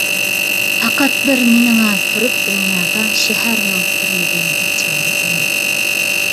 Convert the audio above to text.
پەقەت بىر مېنىلا كۆرۈپ دۇنيادا، شەھەرمۇ كۆرمىگەن بىچارە ئانام.